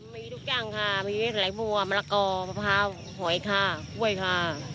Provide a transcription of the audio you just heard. มีทุกอย่างค่ะมีหลายบัวมะละกอมะพร้าวหอยค่ะกล้วยค่ะ